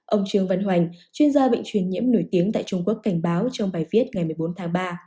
ông trương văn hoành chuyên gia bệnh truyền nhiễm nổi tiếng tại trung quốc cảnh báo trong bài viết ngày một mươi bốn tháng ba